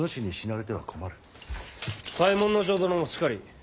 左衛門尉殿もしかり。